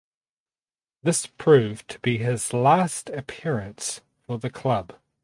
This proved to be his last appearance for the club.